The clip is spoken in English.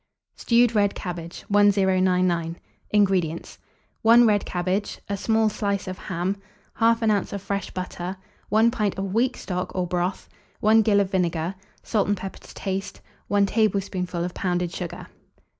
STEWED RED CABBAGE. 1099. INGREDIENTS. 1 red cabbage, a small slice of ham, 1/2 oz. of fresh butter, 1 pint of weak stock or broth, 1 gill of vinegar, salt and pepper to taste, 1 tablespoonful of pounded sugar.